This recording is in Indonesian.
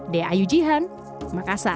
dea ayujihan makassar